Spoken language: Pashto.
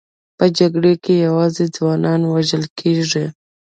په جګړه کې یوازې ځوانان وژل کېږي